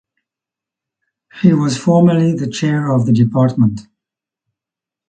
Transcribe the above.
She was formerly the chair of the department.